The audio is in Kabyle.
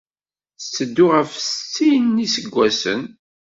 Tetteddu ɣef settin n yiseggasen.